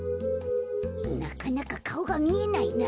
なかなかかおがみえないな。